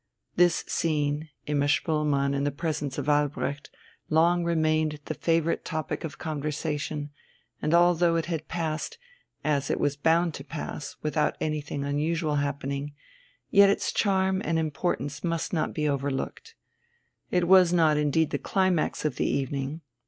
This scene, Imma Spoelmann in the presence of Albrecht, long remained the favourite topic of conversation, and although it had passed, as it was bound to pass, without anything unusual happening, yet its charm and importance must not be overlooked. It was not indeed the climax of the evening.